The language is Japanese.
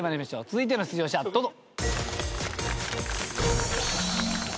続いての出場者どうぞ。